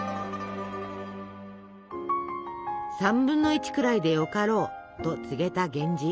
「３分の１くらいでよかろう」と告げた源氏。